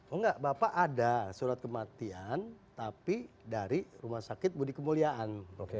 oh enggak bapak ada surat kematian tapi dari rumah sakit budi kemuliaan